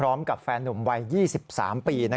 พร้อมกับแฟนหนุ่มวัย๒๓ปี